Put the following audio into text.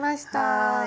はい。